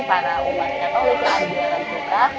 para umat yang telah berada di larang tuka